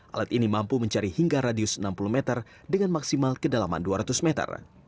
alat ini mampu mencari hingga radius enam puluh meter dengan maksimal kedalaman dua ratus meter